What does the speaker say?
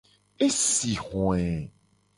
E si hoe.